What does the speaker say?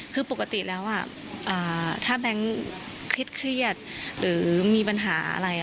คือปกติแล้วถ้าแบงค์เครียดหรือมีปัญหาอะไร